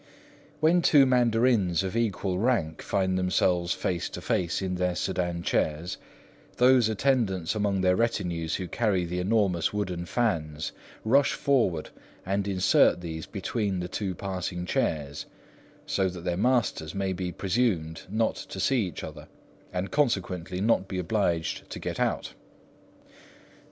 When two mandarins of equal rank find themselves face to face in their sedan chairs, those attendants among their retinues who carry the enormous wooden fans rush forward and insert these between the passing chairs, so that their masters may be presumed not to see each other and consequently not be obliged to get out.